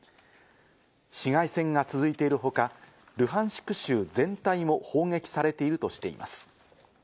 市街戦が続いているほか、ルハンシク州全体も砲撃されているとしています。